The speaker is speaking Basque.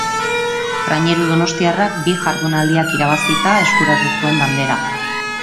Traineru donostiarrak bi jardunaldiak irabazita eskuratu zuen Bandera.